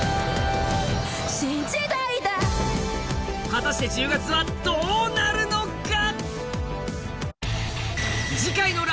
果たして１０月はどうなるのか？